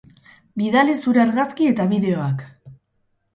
Bidali zure argazki eta bideoak!